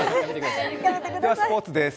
ではスポーツです。